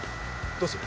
どうする？